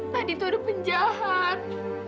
tadi tuh ada penjahat